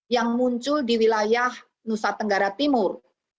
yang muncul di wilayah nusa tenggara timur